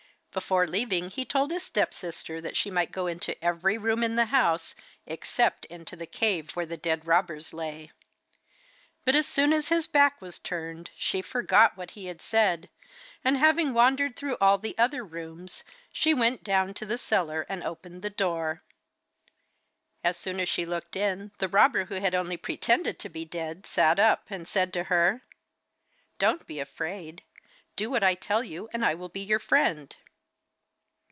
Before leaving he told his step sister that she might go into every room in the house except into the cave where the dead robbers lay. But as soon as his back was turned she forgot what he had said, and having wandered through all the other rooms she went down to the cellar and opened the door. As soon as she looked in the robber who had only pretended to be dead sat up and said to her: 'Don't be afraid. Do what I tell you, and I will be your friend.